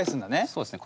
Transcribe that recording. そうですね